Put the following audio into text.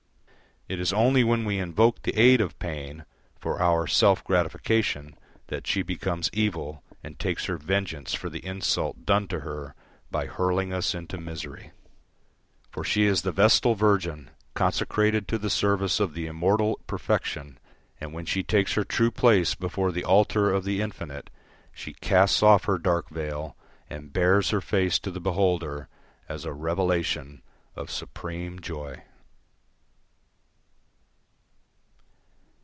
It is only when we invoke the aid of pain for our self gratification that she becomes evil and takes her vengeance for the insult done to her by hurling us into misery. For she is the vestal virgin consecrated to the service of the immortal perfection, and when she takes her true place before the altar of the infinite she casts off her dark veil and bares her face to the beholder as a revelation of supreme joy.